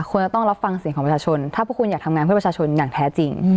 ควรจะต้องรับฟังเสียงของประชาชนถ้าพวกคุณอยากทำงานเพื่อประชาชนอย่างแท้จริง